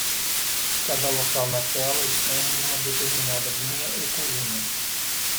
Cada local na tela está em uma determinada linha e coluna.